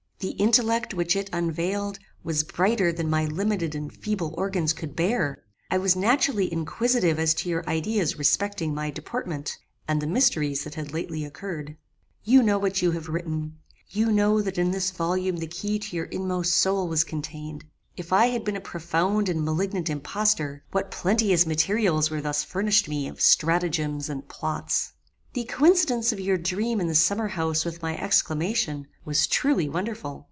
The intellect which it unveiled, was brighter than my limited and feeble organs could bear. I was naturally inquisitive as to your ideas respecting my deportment, and the mysteries that had lately occurred. "You know what you have written. You know that in this volume the key to your inmost soul was contained. If I had been a profound and malignant impostor, what plenteous materials were thus furnished me of stratagems and plots! "The coincidence of your dream in the summer house with my exclamation, was truly wonderful.